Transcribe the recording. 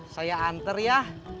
saya anter ya